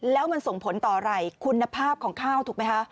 แล้วมันส่งผลต่ออะไรคุณภาพของข้าวถูกไหมคะ